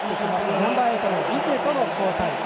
ナンバーエイトのビセとの交換。